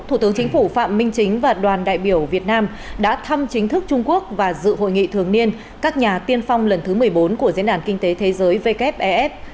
thủ tướng chính phủ phạm minh chính và đoàn đại biểu việt nam đã thăm chính thức trung quốc và dự hội nghị thường niên các nhà tiên phong lần thứ một mươi bốn của diễn đàn kinh tế thế giới wef